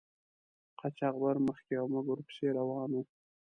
قاچاقبر مخکې او موږ ور پسې روان وو.